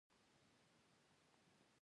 هغه د سفر په بڼه د مینې سمبول جوړ کړ.